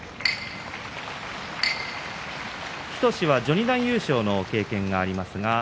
日翔志は序二段優勝の経験があります。